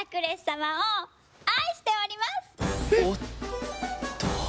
おっと。